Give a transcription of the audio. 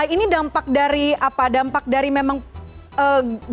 ini dampak dari apa dampak dari memang